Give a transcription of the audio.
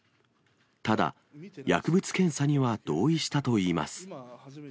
ただ、薬物検査には同意したといいます。